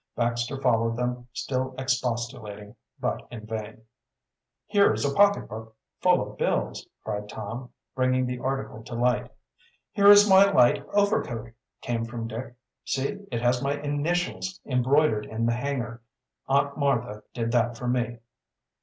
Baxter followed them, still expostulating, but in vain. "Here is a pocketbook full of bills!" cried Tom, bringing the article to light. "Here is my light overcoat!" came from Dick. "See, it has my initials embroidered in the hanger. Aunt Martha did that for me."